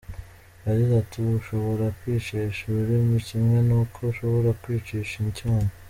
Yagize ati “Ushobora kwicisha ururimi, kimwe nuko ushobora kwicisha icyuma.